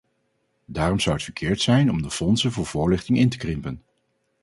Daarom zou het verkeerd zijn om de fondsen voor voorlichting in te krimpen.